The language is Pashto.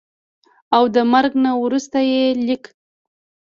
او دَمرګ نه وروستو ئې ليک